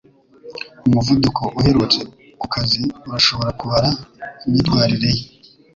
Umuvuduko uherutse kukazi urashobora kubara imyitwarire ye